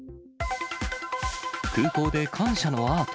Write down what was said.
空港で感謝のアート。